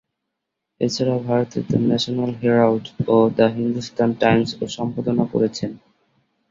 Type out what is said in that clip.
এছাড়াও ভারতের ‘the National Herald’ ও ‘দ্য হিন্দুস্তান টাইমস’ও সম্পাদনা করেছেন।